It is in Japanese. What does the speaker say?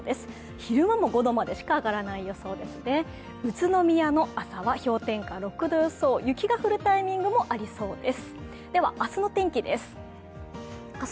昼間も５度までしか上がらない予想でして、宇都宮の朝は氷点下６度予想、雪が降るタイミングもありそうです。